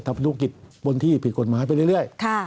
ทำธุรกิจบนที่ผิดกฎหมายไปเรื่อย